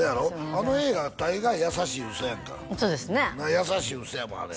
あの映画大概優しい嘘やんかそうですね優しい嘘やもんあれ